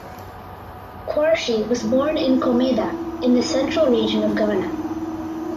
Quarshie was born in Komeda in the Central Region of Ghana.